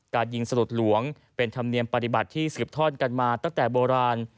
การยิงสลุดหลวงเป็นธรรมเนียมปฏิบัติที่สืบทอดกันมาตั้งแต่โบราณ